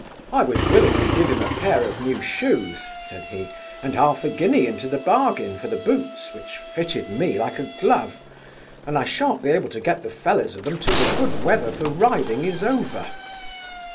'I would willingly give him a pair of new shoes (said he), and half a guinea into the bargain' for the boots, which fitted me like a glove; and I shan't be able to get the fellows of them 'till the good weather for riding is over.